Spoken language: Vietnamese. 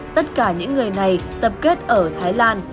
tất cả những người này tập kết ở thái lan